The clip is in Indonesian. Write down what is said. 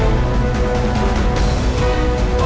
gak ada apa